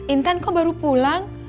intan kok baru pulang